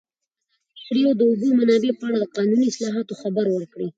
ازادي راډیو د د اوبو منابع په اړه د قانوني اصلاحاتو خبر ورکړی.